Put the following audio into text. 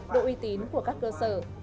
độ y tín của các cơ sở